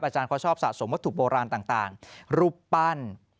อาจารย์เขาชอบสะสมวัตถุโบราณต่างรูปปั้น